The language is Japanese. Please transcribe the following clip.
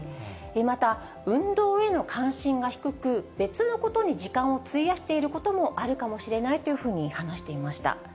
また、運動への関心が低く、別のことに時間を費やしていることもあるかもしれないというふうに話していました。